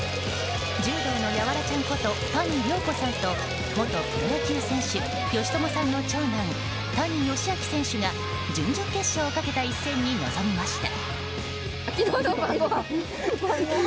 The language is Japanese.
柔道のヤワラちゃんこと谷亮子さんと元プロ野球選手・佳知さんの長男谷佳亮選手が準々決勝をかけた一戦に臨みました。